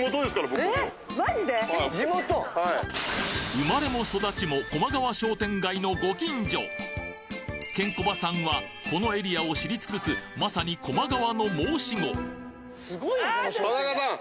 生まれも育ちもこまがわ商店街のご近所ケンコバさんはこのエリアを知り尽くすまさに駒川の申し子すごいねこの商店街。